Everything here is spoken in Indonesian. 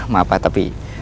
maaf pak tapi